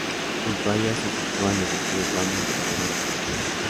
Junto a ella se sitúan los antiguos baños y el lavadero público.